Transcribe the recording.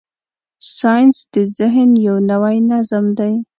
ساینس د ذهن یو نوی نظم دی.